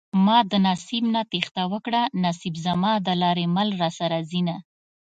ما د نصيب نه تېښته وکړه نصيب زما د لارې مل راسره ځينه